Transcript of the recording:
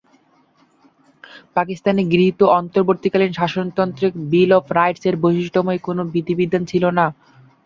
পাকিস্তানে গৃহীত অন্তবর্তীকালীন শাসনতন্ত্রে bill of রাইটস-এর বৈশিষ্ট্যময় কোনো বিধিবিধান ছিল না।